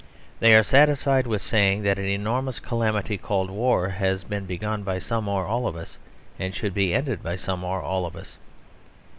They are satisfied with saying that an enormous calamity, called War, has been begun by some or all of us; and should be ended by some or all of us.